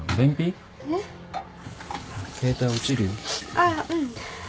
あっうん。